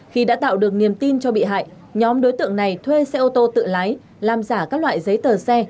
khi đã tạo được niềm tin cho bị hại nhóm đối tượng này thuê xe ô tô tự lái làm giả các loại giấy tờ xe